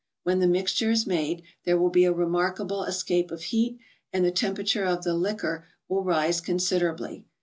When the mixture is made, there will be a remarkable escape of heat, and the temperature of the liquor will rise considerably.